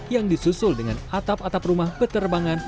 yang disusul dengan atap atap rumah berterbangan